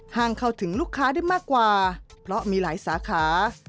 เข้าถึงลูกค้าได้มากกว่าเพราะมีหลายสาขา